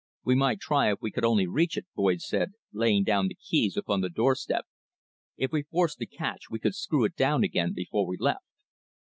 "We might try if we could only reach it," Boyd said, laying down the keys upon the doorstep. "If we forced the catch we could screw it down again before we left."